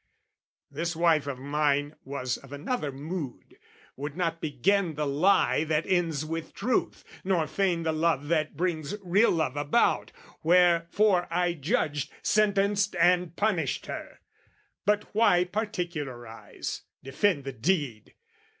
This wife of mine was of another mood Would not begin the lie that ends with truth, Nor feign the love that brings real love about: Wherefore I judged, sentenced and punished her. But why particularise, defend the deed?